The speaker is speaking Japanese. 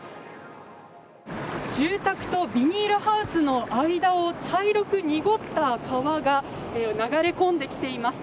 住宅とビニールハウスの間を茶色く濁った川が流れ込んできています。